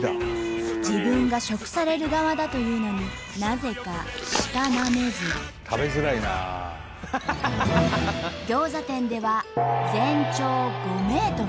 自分が食される側だというのになぜかギョーザ店では全長５ｍ。